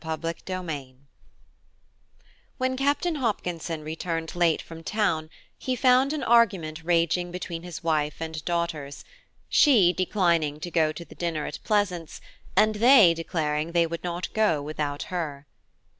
CHAPTER XVII WHEN Captain Hopkinson returned late from town, he found an argument raging between his wife and daughters–she declining to go to the dinner at Pleasance, and they declaring they would not go without her.